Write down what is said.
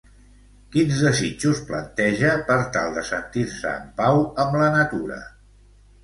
Quins desitjos planteja per tal de sentir-se en pau amb la natura?